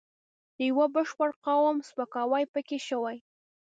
د یوه بشپړ قوم سپکاوی پکې شوی.